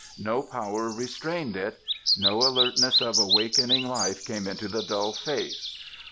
No power restrained it; no alertness of awakening life came into the dull face.